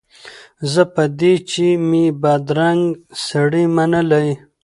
زه په دې چي مي بدرنګ سړی منلی